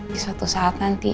di suatu saat nanti